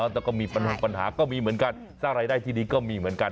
แต่ก็มีปัญหาก็มีเหมือนกันสร้างรายได้ที่ดีก็มีเหมือนกัน